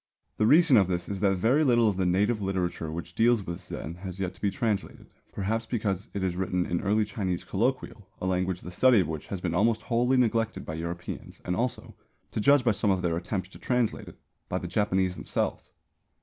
The reason of this is that very little of the native literature which deals with Zen has yet been translated, perhaps because it is written in early Chinese colloquial, a language the study of which has been almost wholly neglected by Europeans and also (to judge by some of their attempts to translate it) by the Japanese themselves.